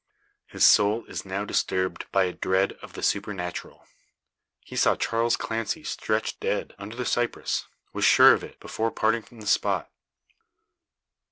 His soul is now disturbed by a dread of the supernatural. He saw Charles Clancy stretched dead, under the cypress was sure of it, before parting from the spot.